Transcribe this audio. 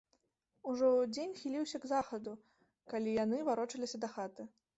Ужо дзень хіліўся к захаду, калі яны варочаліся да хаты.